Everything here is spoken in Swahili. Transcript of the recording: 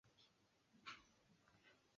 Unaweza kunionyesha?